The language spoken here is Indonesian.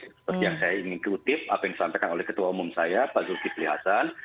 seperti yang saya ingin kutip apa yang disampaikan oleh ketua umum saya pak zulkifli hasan